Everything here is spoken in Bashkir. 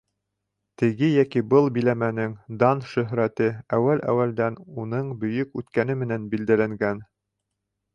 Теге йәки был биләмәнең дан-шөһрәте әүәл-әүәлдән уның бөйөк үткәне менән билдәләнгән.